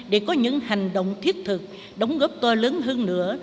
để có những hành động thiết thực đóng góp to lớn hơn nữa